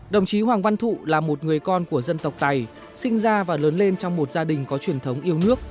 đồng chí hoàng văn thụ là một người con của dân tộc tài sinh ra và lớn lên trong một gia đình có truyền thống yêu nước